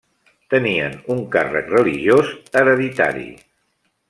Tenien un càrrec religiós hereditari.